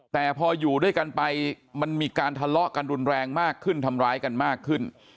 แต่พออยู่ด้วยกันไปมันมีการทะเลาะกันรุนแรงมากขึ้นทำร้ายกันมากขึ้น